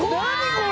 これ！」